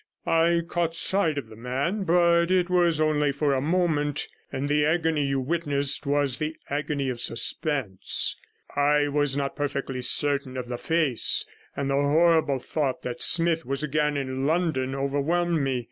I caught sight of the man, but it was only for a moment, and the agony you witnessed was the agony of suspense. I was not perfectly certain of the face, and the horrible thought 34 that Smith was again in London overwhelmed me.